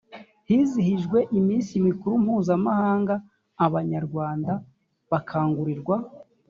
hizihijwe iminsi mikuru mpuzamahanga abanyarwanda bakangurirwa